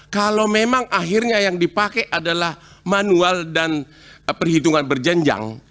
kalau memang akhirnya yang dipakai adalah manual dan perhitungan berjenjang